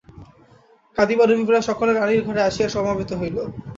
কাঁদিবার অভিপ্রায়ে সকলে রানীর ঘরে আসিয়া সমবেত হইল।